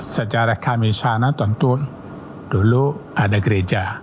sejarah kami di sana tentu dulu ada gereja